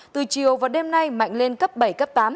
từ chiều và đêm nay mạnh lên cấp bảy cấp tám